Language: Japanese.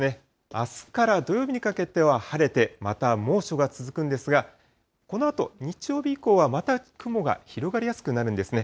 あすから土曜日にかけては晴れて、また猛暑が続くんですが、このあと日曜日以降は、また雲が広がりやすくなるんですね。